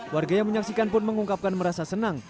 warga yang menyaksikan pun mengungkapkan merasa senang